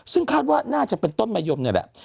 ซึ่งคาดว่าน่าจะเป็นต้นมะยมนี่แหละ